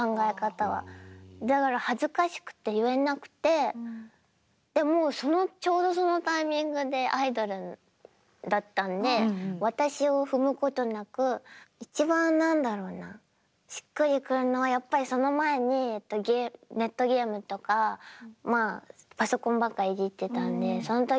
だから恥ずかしくて言えなくてでもうちょうどそのタイミングでアイドルだったんで「私」を踏むことなく一番何だろうなしっくりくるのはやっぱりその前にネットゲームとかパソコンばっかいじってたんでまあ「僕」がそうなんだ。